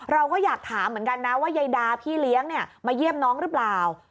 เราก็อยากถามเหมือนกันนะว่ายายดาพี่เลี้ยงมาเยี่ยมน้องหรือเปล่า